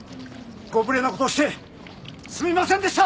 ご無礼な事をしてすみませんでした！